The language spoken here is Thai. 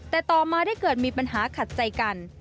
แต่ต่อมาได้เกิดมีปัญหาขัดใจกัน